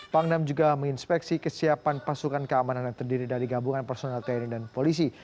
pangdam juga menginspeksi kesiapan pasukan keamanan yang terdiri dari gabungan personel tni dan polisi